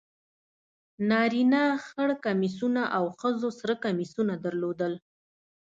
نارینه خر کمیسونه او ښځو سره کمیسونه درلودل.